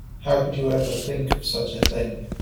How could you ever think of such a thing?